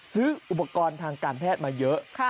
ซื้ออุปกรณ์ทางการแพทย์มาเยอะ